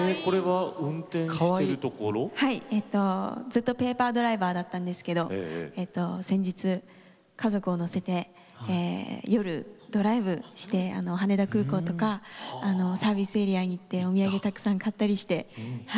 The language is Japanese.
ずっとペーパードライバーだったんですけど先日家族を乗せて夜ドライブして羽田空港とかサービスエリアに行ってお土産たくさん買ったりして楽しみました。